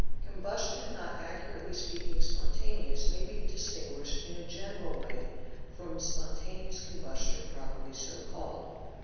Combustion not accurately speaking spontaneous may be distinguished in a general way from spon taneous combustion properly so called.